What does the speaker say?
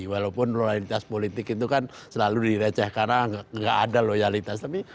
walaupun loyalitas politik itu kan selalu direceh karena nggak ada loyalitas tapi